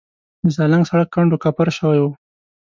د سالنګ سړک کنډو کپر شوی و.